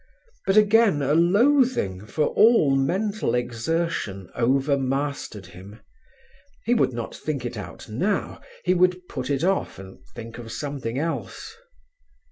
But again a loathing for all mental exertion overmastered him; he would not think it out now, he would put it off and think of something else.